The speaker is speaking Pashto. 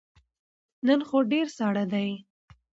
نن خو ډیر ساړه دی